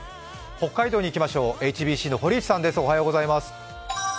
北海道にいきましょうＨＢＣの堀内さんです。